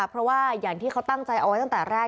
เพราะว่าอย่างที่เขาตั้งใจเอาไว้ตั้งแต่แรก